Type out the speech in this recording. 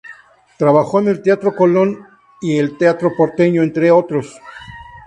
Trabajó en el Teatro Colón y el Teatro Porteño, entre otros.